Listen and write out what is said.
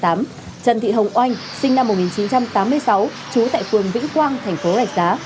trần thị hồng oanh sinh năm một nghìn chín trăm tám mươi sáu trú tại phường vĩnh quang thành phố rạch giá